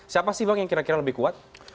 siapa sih bang yang kira kira lebih kuat